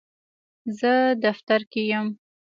زه دفتر کې یم.